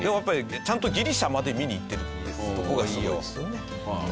ちゃんとギリシャまで見に行ってっていうところがすごいですよね。